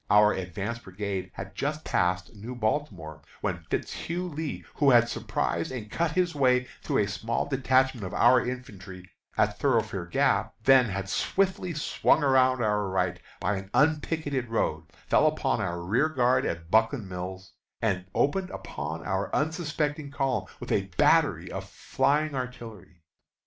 Our advance brigade had just passed New Baltimore, when Fitz Hugh Lee, who had surprised and cut his way through a small detachment of our infantry at Thoroughfare Gap, then had swiftly swung around our right by an unpicketed road, fell upon our rearguard at Buckland Mills, and opened upon our unsuspecting column with a battery of flying artillery.